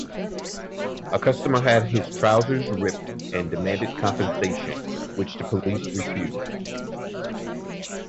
A customer had his trousers ripped and demanded compensation, which the police refused.